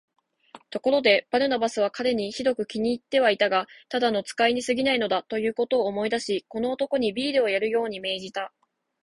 ところで、バルナバスは彼にひどく気に入ってはいたが、ただの使いにすぎないのだ、ということを思い出し、この男にビールをやるように命じた。